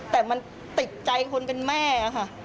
แต่มันติดใจคนเป็นแม่ค่ะ